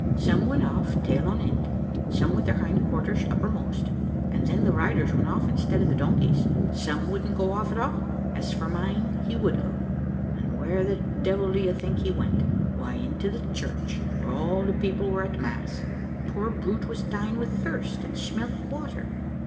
Some went off tail on end, some with their hind quarters uppermost, and then the riders went off instead of the donkeys; some wouldn't go off at all; as for mine he would go and where the devil do you think he went? Why, into the church, where all the people were at mass; the poor brute was dying with thirst, and smelt water.